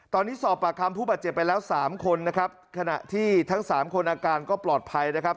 ตอนนี้สอบปากคำผู้บาดเจ็บไปแล้วสามคนนะครับขณะที่ทั้งสามคนอาการก็ปลอดภัยนะครับ